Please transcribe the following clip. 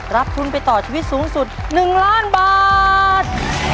รับทุนไปต่อชีวิตสูงสุด๑ล้านบาท